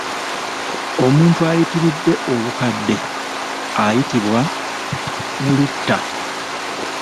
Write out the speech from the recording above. Omuntu ayitiridde obukadde ayitibwa “Wulutta”.